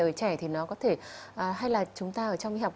ở trẻ thì nó có thể hay là chúng ta ở trong y học